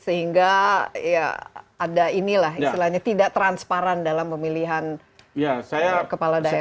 sehingga ya ada inilah istilahnya tidak transparan dalam pemilihan kepala daerah